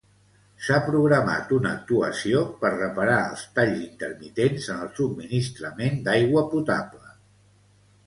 S'ha programat una actuació per reparar els talls intermitents en el subministrament d'aigua potable.